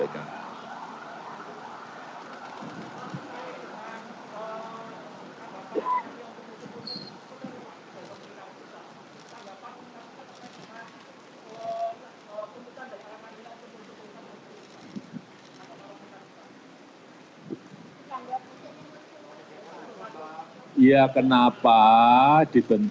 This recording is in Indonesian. dari keluarga dan perabat perabat